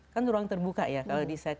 kan ruang terbuka ya kalau di set